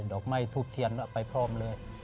ดอกไม้ทูบเทียนไปพร้อมเลย